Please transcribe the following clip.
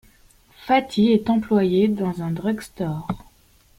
Fatty est employé dans un drugstore.